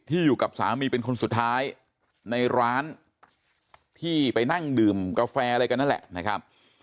อยู่กับสามีเป็นคนสุดท้ายในร้านที่ไปนั่งดื่มกาแฟอะไรกันนั่นแหละนะครับ